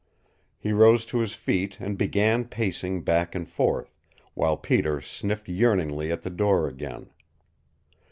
He rose to his feet, and began pacing back and forth, while Peter sniffed yearningly at the door again.